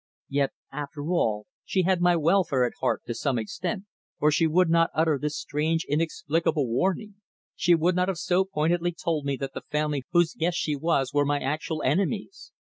Yet, after all, she had my welfare at heart to some extent, or she would not utter this strange inexplicable warning; she would not have so pointedly told me that the family whose guests she was were my actual enemies.